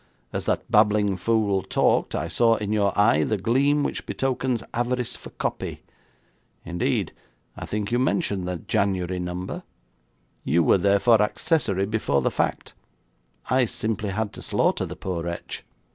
As that babbling fool talked, I saw in your eye the gleam which betokens avarice for copy. Indeed, I think you mentioned the January number. You were therefore accessory before the fact. I simply had to slaughter the poor wretch.'